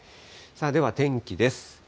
では天気です。